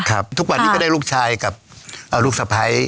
ทุกวันนี้ก็ได้ลูกชายกับลูกสะพ้าย